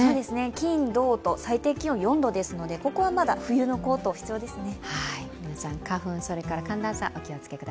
金土と最低気温４度ですのでここはまだ冬のコート、必要ですね